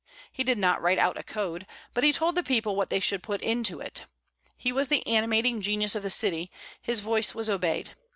He did not write out a code, but he told the people what they should put into it. He was the animating genius of the city; his voice was obeyed.